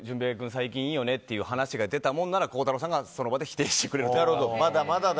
最近、いいよねっていう話が出たものなら鋼太郎さんが否定してくれるという。